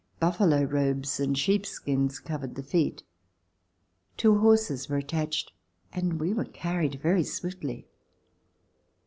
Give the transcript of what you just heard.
Buffalo robes and sheepskins cov ered the feet. Two horses were attached and we were carried very swiftly.